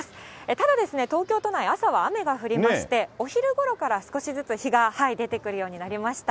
ただ、東京都内、朝は雨が降りまして、お昼ごろから少しずつ日が出てくるようになりました。